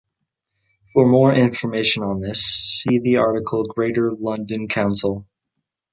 For more information on this see the article, Greater London Council.